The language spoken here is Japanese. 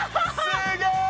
すごい！